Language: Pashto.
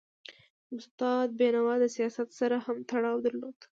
استاد بینوا د سیاست سره هم تړاو درلود.